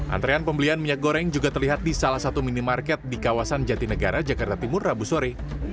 antrean pembelian minyak goreng juga terlihat di salah satu minimarket di kawasan jatinegara jakarta timur rabu sore